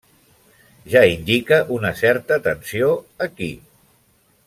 Ja indica una certa tensió aquí.